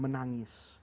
menangis dalam artian